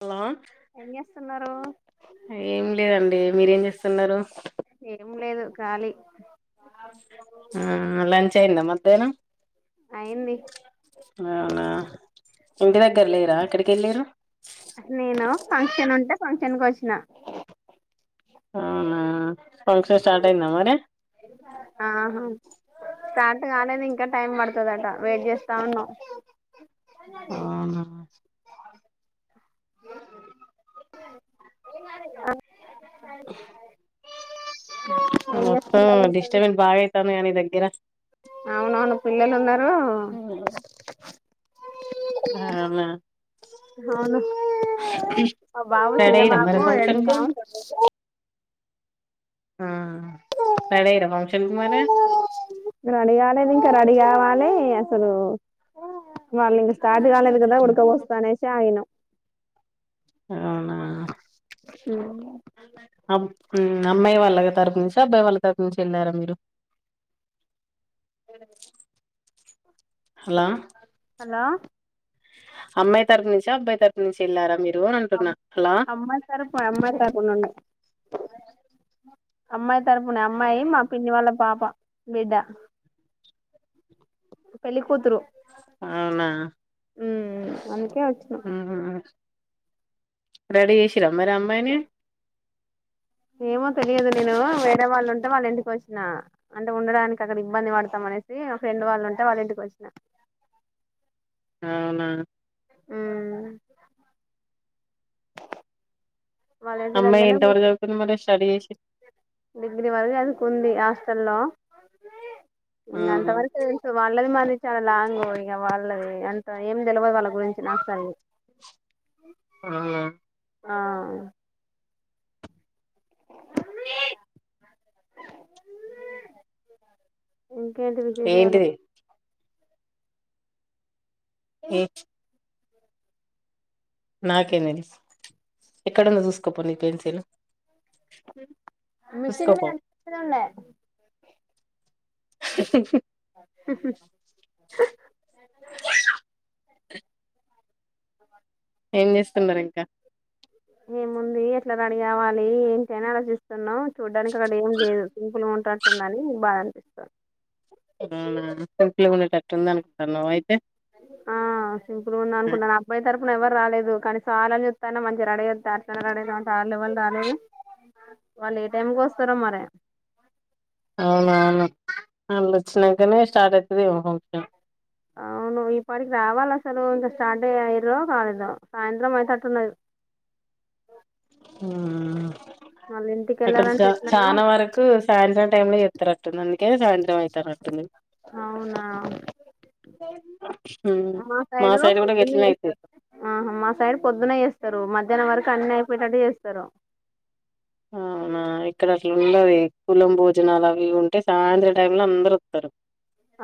Hello ఏం చేస్తున్నారు ఏం లేదండి మీరేం చేస్త ఉన్నారు ఏం లేదు కాలి ఆ లంచ అయింద మధ్యాహ్నం అయింది అవునా ఇంటి దగ్గర లేరా ఎక్కడికి వెళ్ళారు నేను ఫంక్షన్ ఉంటే ఫంక్షన్ షన్ క్ వచ్చిన అవునా ఫంక్షన్ స్టార్టయిందా మరి ఆహా స్టార్ట్ కాలేదు ఇంకా టైం పడుతుందట వెయిట్ చేస్తా ఉన్నం ఆ అన్న అ మొత్తం డిస్టబెన్ట్ బాగా అయితంది కదా నీ దగ్గర అవునవును పిల్లలు ఉన్నారు హు అవునా అవును ఆ బాబు రెడీ చిన్న అయిరా బాబు మరి ఫంక్షన్ కు ఏడుస్తావుటాడు కొ ఆ రెడీ అయిరా ఫంక్షన్ కి మరి రెడీ కాలేదు ఇంకా రడీ కావాలి అసలు వాళ్ళు ఇంకా స్టార్ట్ కాలేదు కదా ఉడకపోస్తాది అన్ని ఆగినం అవునా హ్మ్ హ్మ్ అమ్మాయి వాళ్ళ తరపు నుంచా అబ్బాయి వాళ్ళ తరపు నుంచా వెళ్లరా మీరు హలో హలో అమ్మాయి తరపు నుంచా అబ్బాయి తరపు నుంచి వెళ్ళారా మీరు అని అబ్ అంటున్నా హలో అమ్మయి తరుపు అమ్మయి తరపునుండి అమ్మాయ్ తరపునే అమ్మాయి మా పిన్ని వాళ్ళ పాప బిడ్డ ఆ ఆ పెళ్ళి కూతురు అవునా హ్మ్ అందుకే వచ్చినం ఉహు రెడీ చేసిరా మరి అమ్మాయిని ఏమో తెలియదు నేను వేరే వాళ్ళు ఉంటే వాళ్ళ ఇంటికి వచ్చిన అంటే ఉండడానికి అక్కడ ఇబ్బంది పడతాం అనేసి ఫ్రెండ్ వాళ్ళు ఉంటే వాళ్ళ ఇంటికి వచ్చినా అవునా వాళ్ళ ఇంటి అమ్మాయి దగ్గరనే ఎంత వరకు కూర్చు చదువుకుంది మరి స్టడీ చేసి డిగ్రీ వరకు చదువుకుంది హాస్టల్లో ఇంగ అంత ఉహు వరకు చదివించి వాళ్ళ వాళ్ళది మరి చాలా లాంగ్ ఇగ వాళ్ళది అంత ఏమి తెలివదు వాళ్ళ గురించి నాకు సరిగా అవునా ఆ హేయి ఇంకేంటి విశేషాలు ఏంటిది ఏం నాకేదాండి ఎక్కడుందొ చూసుకోపో నీ పెన్ తిన్న మిషన్ మీదే అక్కడే ఉండే ఉహ్ హ నువ్ ఏం చేస్తున్నారు ఇంకా ఏముముంది ఎట్లా రడీ కావాలి ఏంటి అని ఆలోచిస్తున్నాం. చూడ్డానికి అక్కడ ఏం లేదు సింపులుగ్ ఉ ఉంటుందని బాద అనిపిస్తుంది. అవున సింపుల్ గా ఉండేటట్ ఆ సింపుల్ ఉందా అనుకుంటాన అబ్బాయి తరపు పూనా ఎవరు రాలేదు. కానీ స్నానం చేత్తన్నా మంచిగా రడేవత్ అట్లా రడే అంట వాళ్ళ వాళ్ళు రాలేదు. వాళ్ళు ఏ టైం కోస్తారో మరే అవున అవును అళ్ళు వచ్చిన్నాంకనే స్టార్ట్ అయితదేమో ఫంక్షన్ అవును ఇపాటికి రావాలి అసలు ఇంక స్టార్ట్ అయయిరో కాలేదొ సాయంత్రం అయితేట్టున్నది. ఉహ్మ్ ఇంటికి అక్కడ చ వెళ్ళాలంటే ఎట్లనో చానా వరకు సాయంత్రం టైం లో చెతారు అట్టుంది. అందుకే సాయంత్రం అయితారు అటుంది. అవునా ఉహ్ మా సైడు సైడ్ కూడా పొద్దున్న గిట్లే అయిద్ధి. చేస్తారు ఆహా మా సైడ్ పొద్దున చేస్తారు మధ్యాహ్నం వరకు అన్నీ అయిపోయిటట్టు చేస్తారు. అవునా ఇక్కడ అట్లుండాది. కులం భోజనాలు అవి ఇవి ఉంటే సాయంత్ర టైం లో అందరు వస్తారు.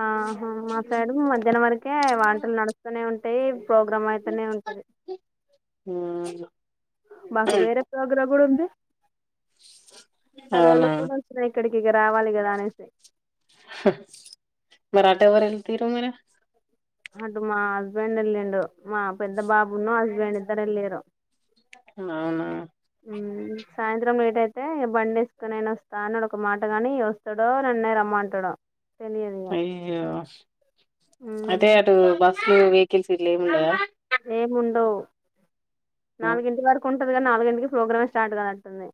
ఆహా మా సైడు మధ్యాహ్నం వరకే వంటలు నడుస్తూనే ఉంటాయి అంటే ప్రోగ్రామ్ అయితనే ఉంటది. ఉమ్ మాకు వేరే ప్రోగ్రామ్ కూడా ఉంది పదలో అవునా కూడా వచ్చినయి. ఇక్కడికి ఇగా రావాలి కదా అనేసి మరాఠెవర ఎల్తీరు మరే అటు మా హస్బెండ్ వెళ్ళిండు మా పెద్ద బాబును హస్బెండ్ ఇదరేల్లిరు. అవునా హుమ్మ్ సాయంత్రం లేట్ అయితే బండి ఏసుకోని నేను వస్తా అని ఒక మాట గాని, వస్తాడో నన్నే రమ్మంటాడో. తెలియదు ఇక అయ్యో ఉమ్, అదే అటు బస్. వెకిల్స్ గిట్ల ఏముండయా. ఏముండవ్. నాల్గింటి వరకు ఉండ్. అన్నారు గానీ నాలుగింటికి ప్రోగ్రామే స్టార్ట్ కానట్టుంది.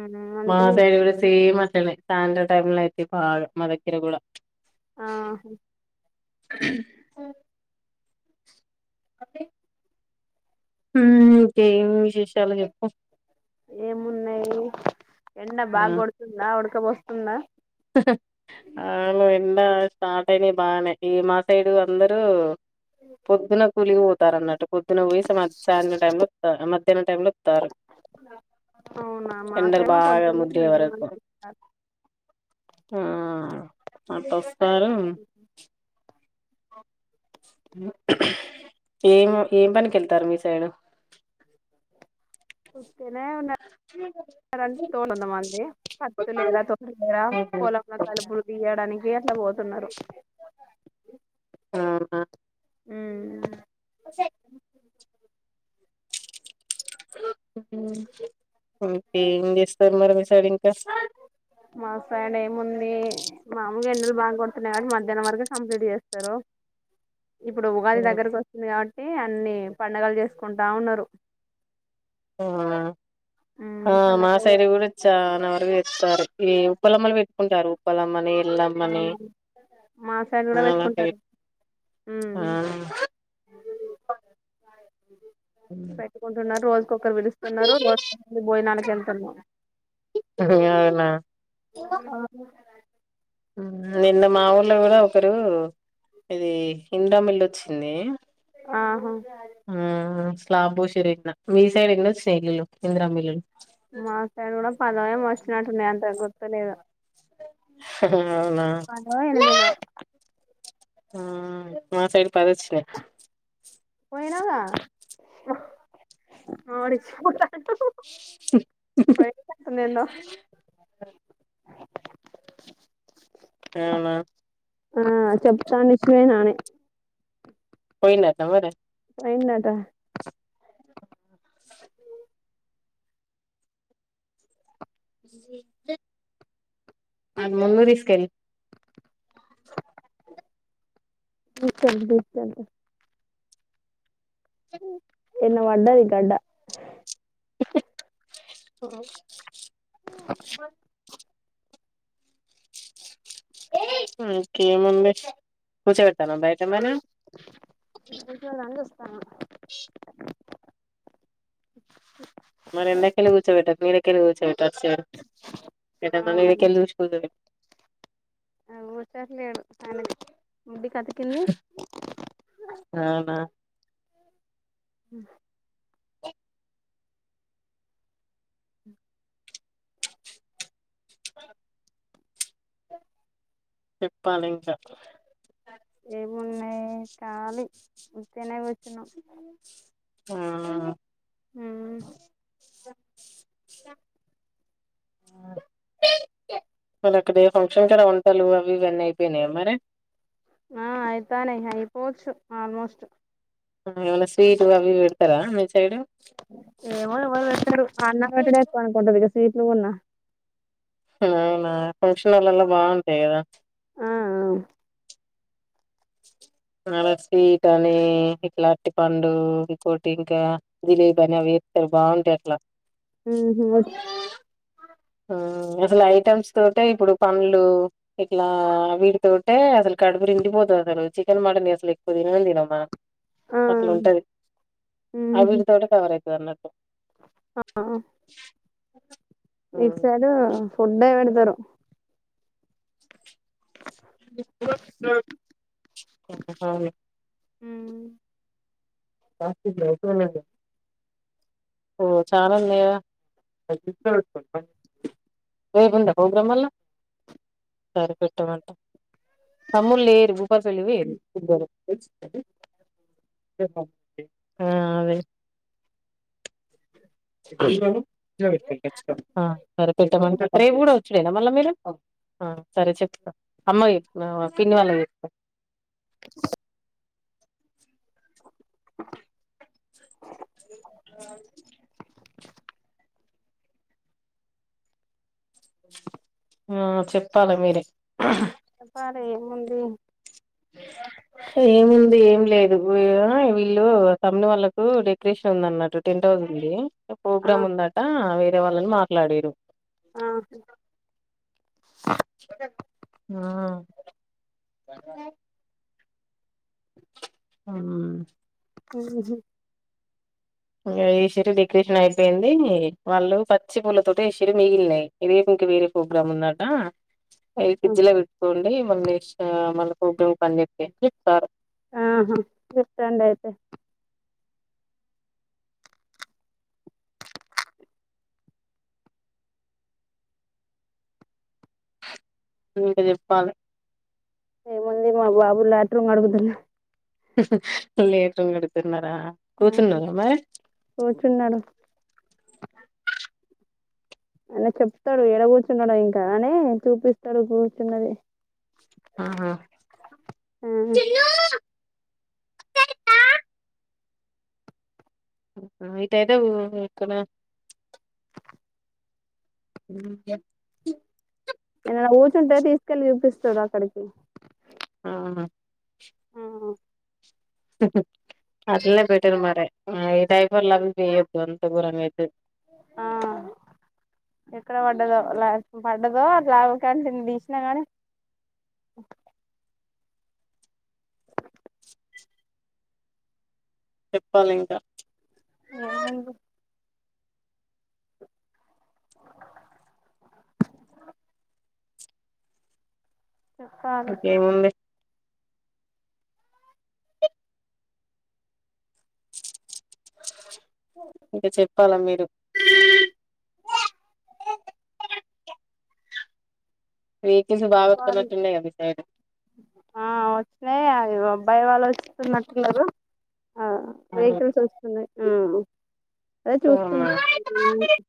ఉమ్, మా అందుకని సైడ్ కూడా సేమ్ అట్లానే సాయంత్రం. టైమ్ లో అయితే బాగా మాదగ్గర గూడా. ఆ ఓ [unintelligible] హ్మ్ ఇంకేం విశేషాలు చెప్పు. ఏమున్నాయి. ఎండ బాగ్ గొడుతుందా [unintelligible] ఉక్క పోస్తుందా. ఆలో ఎండ. స్టార్ట్ అయినాయి బాగానే, ఈ మా సైడు అందరు. పొద్దున కూలి పోతారు అన్నట్టు. పొద్దున పోయ్యి సా సాయంత్రం టైమ్ లో ఒత్తర్ర్, మధ్యాహ్నం టైమ్ లో ఓ. అవునా ఎండలు మాకేమో బాగా పొద్దున ముదిరే మధ్యాహ్నం వరకు. ఆ పటాస్. [unintelligible] ఏం ఏం పనికి వెళ్తారు, మీ సైడు. ఉత్తిగానే ఉన్న. రన్ [unintelligible] మంది పత్తు లేరా, తొడిమి లేరా, పొలంలో కలుపులు తీయ్యడానికి. పోయి అట్లా పోతున్నారు. ఆ. ఉమ్. [inaudible] అ హ్మ్ [unintelligible] ఏం జేస్తారు మరి, మీ సైడ్ ఇంకా. మా సైడ్ ఏముంది, మాములుగా ఎండలు బాగా కొడుతున్నాయి కాబట్టి, మధ్యాహ్నం వరకే కంప్లీట్ చేస్తారు. ఇప్పుడు ఉగాది హ్మ్. దగ్గరకు వస్తుంది కాబట్. అంటే అన్ని పండుగలు చేసుకుంటా ఉన్నారు. ఆ. ఆ పండగలు మాసైడు కూడా చానా వరకు ఎక్కుతారు. ఈ ఉప్పలమ్మలు పెట్టుకుంటారు, ఉప్పలమ్మని. ఎల్లమ్మని మా సైడ్ కూడా అలాగే పెట్టుకుంటారు ఆ. [inaudible] హ్మ్. పెట్టుకుంటున్నారు రోజుకోక్కరు పీలుస్తున్నారు రోజు భోజనానికి వెళ్తున్నా అవునా ఆ నిన్న మా ఊర్లో కూడా ఒకరు ఇది ఇడా మీల్ వచ్చింది ఆహో ఆ స్లాబ్ పోసిన్రు ఎక్కున మీ సైడ్ ఎన్ని వచ్చినాయి ఇం దిరామ్మా ఇల్లులు మా సైడ్ కూడా పదో ఏమో వాచ్ వచ్చినట్టు ఉన్నాయి అంత గుర్తులేదు అవునా పదో ఎదో ఆ మా సైడ్ పది వచ్చినాయి పోయినవు గా మా వోడు ఇచ్చు పై కందంద అవునా ఆ చెప్తాను ఇచ్చు పోయిన అని పోయిండు అంటన మరి పోయిండు అంట అది ముందు తీసుకెళ్లు బం బుజతు ఎన్న వడాది గడ్డ ఓ మ ఇంకా ఎమ్ ఉంది కూర్చో పెట్టు తన బయట మన ముసలోళ్ళని అ మరి ఎండ కెళ్ళి కూర్చోపెట్టకు నీడ కెళ్ళి కూర్చోపెట్టు థాట్ సైడ్ ఆ మది కెళ్ళి చుశిపోతాది వచ్చట్లేదు ఆయన ముడ్డి కి అతికింది అవునా ఆ చెప్పాలి ఇంకా ఏమున్నుది కాలీ ఉట్టిగానే కూర్చి ఆ ఆ అ మరి అక్కడ ఏ ఫంక్షన్ కడ వంటలు అవి ఇవన్నీ అయిపోయినాయి మరి ఆ అయితనయ్ అయిపోవచ్చు ఆల్మోస్ట్ ఇవళ స్వీట్ అవి ఇవి పెడతారా మేడం ఏమో ఆ అన్నతొటే ఎక్కువ ఉంటాయి వీడియోస్ ఎట్లున్నా అవునా ఫంక్షన్ హాళ్ళల్లో బాగుంటాయి కదా ఆ ఆ అలా స్వీట్ అని ఇట్లా అరటి పండు ఇంకోటి ఇంకా జిలేబీ అని అవి వేస్తే బాగుంటాయి అట్లా ఊహు వచ్ అసలు ఐటమ్స్ తోటే ఇప్పుడు పండ్లు ఇట్లా వీటి తోటే అసలు కడుపు నిండిపోతుంది. చికెన్ మటన్ అసలు ఎక్కువ తిననే తినం మనం. ఆ అట్లు ఉంటది ఆ ఉహు వీటితోటి కవర అయితుంది కణట ఆ అ ఇట్ సైడ్ డ్ ఫుడ్డే పెడతారు అవును హు నీకుందా ప్రోగ్రాం మళ్ల పోగ్రాళ్ళ సరే పెట్టమంట తమ్ములు లేరు భూపా పెళ్ళ ఉంది ఆ అదే హలో ర పెట్టమంట ఊడ డనా మళ్ళ మీరు సరే చెప్తా అమ్మయి పిన్ని వాళ్ళం చెత ఆ అ ఆ చెప్పాలి మీరే ఒపారే ఏముంది ఏముంది ఏమి లేదు వీళ్ళు తమ్ముని వాళ్ళకు డెకరేషన్ ఉంది అన్నట్టు టెంట్ హౌస్ ఉంది ఆ ప్రోగ్రామ్ ఉందట వేరే వాళ్ళని మాట్లాడిరు ఆ అవునా చికన్ ఆ ఆ ఉ హుమ్ ఇంగా ఈ చీర డెకరేషన్ అయిపోయింది. వాళ్ళు పచ్చి పూల తోట వేసిల్లు మిగిలినయి. ఇదే ఇంక వేరే ప్రోగ్రామ్ ఉందట. అయి ఫ్రిజ్ ల పెట్టుకోండి. మళ్ళీ వచ్చిన మళ్ళీ ఫొటోలు కోసం అని ఉన్నారు ఆహా పెట్టండి అయితే ఇంక చెప్పాలి. ఏముంది మా బాబు లాట్రో కడుగుతున్న హిహి లెట్రిన్ కడుగుతున్నారా ఆ కూర్చున్నారా మరే కూర్చున్నాడు అని చెప్తాడు ఎడ కూర్చున్నాడు ఇంకా అనే చూపిస్తాడు కూర్చున్నది ఆహా ఆ ఇయితే ఏదోక్కన్నా అక ఏ కూర్చుంటే తీసుకెళ్ళి చూపిస్తంది అక్కడికి ఆ అట్లే పెట్టరు మర ఇదైపు ఎలా పయ్యదు ఎంత గురంగాదు ఆ ఎక్కడ పడ్డదో పడ్డదో అలావకంట తీసినా కానీ చెప్పాలి ఇంకా ఆండి అ చెప్పాలి ఓకే ము ఇంకా చెప్పాలా మీరు వెహికల్స్ బాగా చెప్పాలి వస్తున్నట్టున్నాయి కదా ఇటు సైడ్ ఆ వచ్చినాయి అవి భయం ఆలోచిస్తున్నట్ లేదు ఆ వెహికల్స్ వస్తున్నాయి అదే అవునా చూస్తున్నా